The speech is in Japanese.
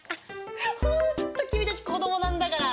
本当君たち子どもなんだから。